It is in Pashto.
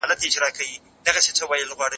ماشومان باید د سهار په وخت کې ناري وکړي.